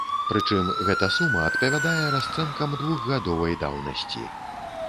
Прычым гэта сума адпавядае расцэнкам двухгадовай даўнасці.